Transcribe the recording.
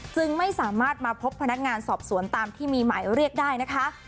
จึงไม่สามารถมาพบพนักงานสอบสวนตามที่มีหมายเรียกได้นะคะ